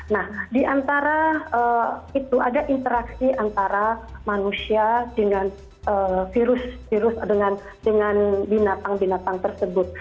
nah di antara itu ada interaksi antara manusia dengan virus virus dengan binatang binatang tersebut